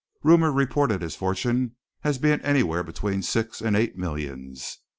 Rumor reported his fortune as being anywhere between six and eight millions.